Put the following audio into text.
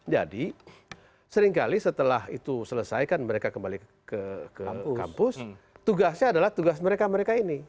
jadi seringkali setelah itu selesaikan mereka kembali ke kampus tugasnya adalah tugas mereka mereka ini